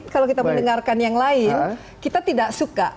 kalau kita mendengarkan yang lain kita tidak suka